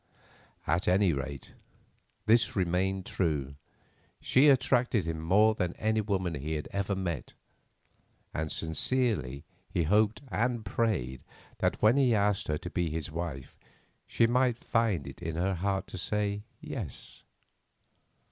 At any rate, this remained true, she attracted him more than any woman he had ever met, and sincerely he hoped and prayed that when he asked her to be his wife she might find it in her heart to say Yes.